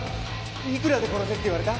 いくらで殺せって言われた？